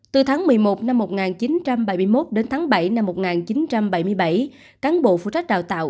từ tháng một mươi một năm một nghìn chín trăm bảy mươi một đến tháng bảy năm một nghìn chín trăm bảy mươi bảy cán bộ phụ trách đào tạo